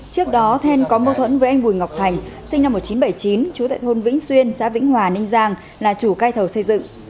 trước đó then có mâu thuẫn với anh bùi ngọc thành sinh năm một nghìn chín trăm bảy mươi chín chú tại thôn vĩnh xuyên xã vĩnh hòa ninh giang là chủ cây thầu xây dựng